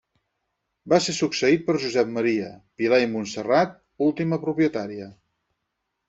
Va ser succeït per Josep Maria, Pilar i Montserrat, última propietària.